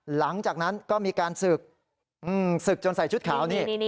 หลังจากนั้นก็มีการศึกศึกจนใส่ชุดขาวนี่